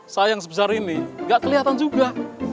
sayang sebesar ini gak keliatan juga